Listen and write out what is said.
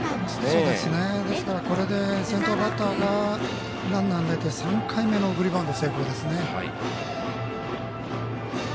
ですから、これで先頭バッターがランナーに出て３回目の送りバント成功ですね。